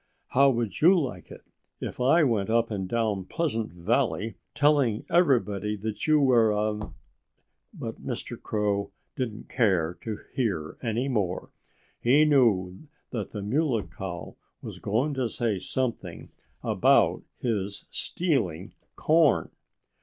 "How would you like it if I went up and down Pleasant Valley telling everybody that you were a " But Mr. Crow didn't care to hear any more. He knew that the Muley Cow was going to say something about his stealing corn.